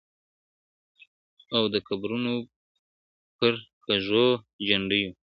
او د قبرونو پر کږو جنډيو-